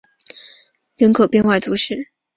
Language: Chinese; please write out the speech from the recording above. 奥勒济人口变化图示